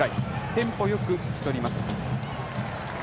テンポよく打ち取ります。